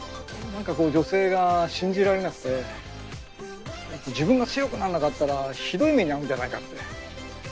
何かこう女性が信じられなくて自分が強くならなかったらひどい目に遭うんじゃないかって